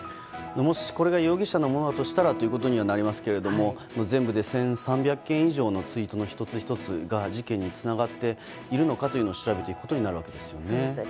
もしこれが容疑者のものだとしたらということになりますけれども全部で１３００件以上のツイートの１つ１つが事件につながっているのかを調べることになるわけですね。